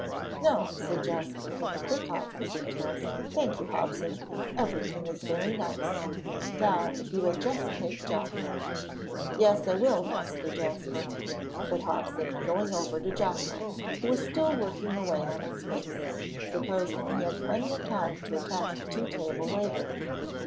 "No," said Jasper, with a quick eye for details, "thank you, Hobson; everything is very nice. Now if you will just take Jocko." "Yes, I will, Master Jasper," said Hobson, going over to Jocko, who was still working away on his face, supposing he had plenty of time to attack the tea table later.